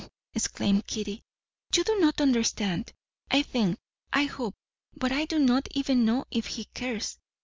exclaimed Kitty, "you do not understand. I think I hope but I do not even know if he cares.